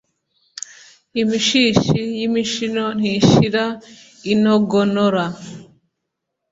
Imishishi y’imishino ntishira inogonora.